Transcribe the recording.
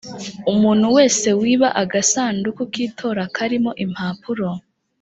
umuntu wese wiba agasanduku k’itora karimo impapuro